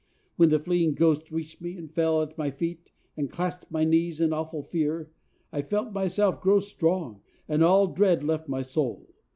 When the fleeing ghost reached me, and fell at my feet, and clasped my knees in awful fear, I felt myself grow strong, and all dread left my soul.